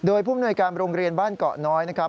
โดยผู้มนวยการโรงเรียนบ้านเกาะน้อยนะครับ